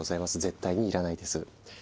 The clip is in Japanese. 絶対に要らないです。え？